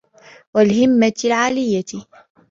وَالْهِمَّةِ الْعَلِيَّةِ